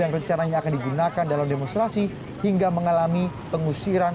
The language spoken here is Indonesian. yang rencananya akan digunakan dalam demonstrasi hingga mengalami pengusiran